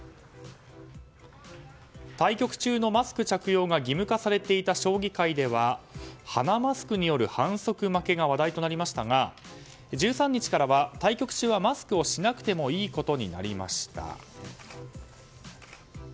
対局中のマスク着用が義務化されていた将棋界では鼻マスクによる反則負けが話題となりましたが１３日からは対局中はマスクをしなくてもいいことになりました。